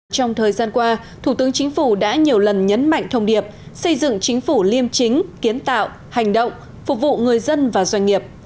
trong thời gian qua thủ tướng chính phủ đã nhiều lần nhấn mạnh thông điệp xây dựng chính phủ liêm chính kiến tạo hành động phục vụ người dân và doanh nghiệp